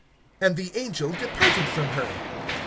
And the angel departed from her.